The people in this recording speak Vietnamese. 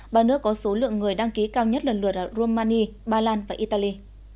ba nước có số lượng người đăng ký cao nhất lần lượt ở romania bà lan và italy